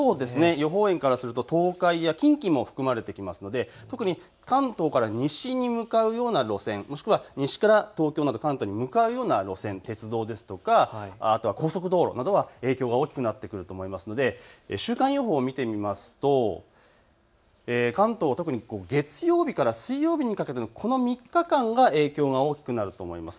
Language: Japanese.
予報円からすると東海や近畿も含まれてきますので関東から西に向かうような路線、西から東京など関東へ向かう路線、鉄道ですとか高速道路などは影響が大きくなってくると思いますので週間予報を見てみますと関東、特に月曜日から水曜日にかけてのこの３日間が影響が大きくなると思います。